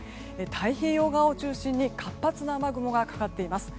太平洋側を中心に活発な雨雲がかかっています。